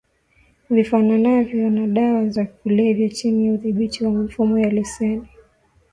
vifananavyo na dawa za kulevya chini ya udhibiti wa mifumo ya leseni